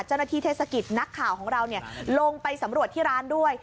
เจ้าหน้าที่เทศกิจนักข่าวของเราลงไปสำรวจที่ร้านด้วย